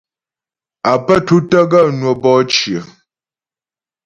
Á pə́ tútə́ gaə́ ŋwə́ bɔ'ɔ cyə.